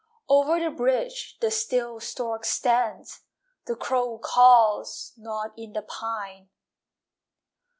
Over the bridge the still stork stands, The crow caws not in the pine.